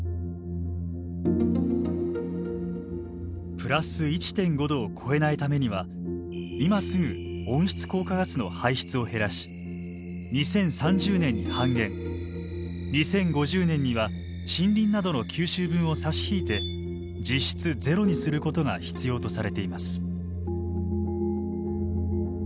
プラス１．５℃を超えないためには今すぐ温室効果ガスの排出を減らし２０３０年に半減２０５０年には森林などの吸収分を差し引いて実質ゼロにすることが必要とされています。